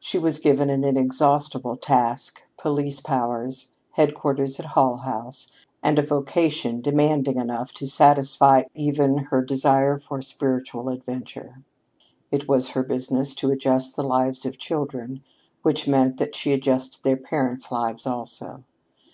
She was given an inexhaustible task, police powers, headquarters at Hull House, and a vocation demanding enough to satisfy even her desire for spiritual adventure. It was her business to adjust the lives of children which meant that she adjusted their parents' lives also.